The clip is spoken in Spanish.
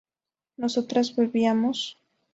¿nosotros bebíamos?